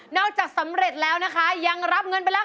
จากสำเร็จแล้วนะคะยังรับเงินไปแล้ว